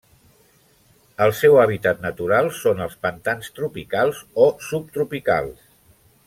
El seu hàbitat natural són els pantans tropicals o subtropicals.